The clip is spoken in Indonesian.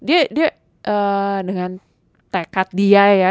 dia dengan tekad dia ya